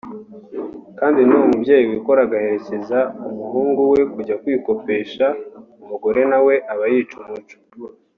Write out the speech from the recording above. kandi n’uwo mubyeyi wikora agaherekeza umuhungu we kujya kwikopesha umugore na we aba yica umuco